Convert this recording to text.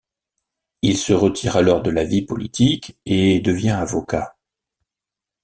Il se retire alors de la vie politique et devient avocat.